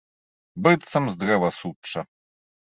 Быццам з дрэва сучча.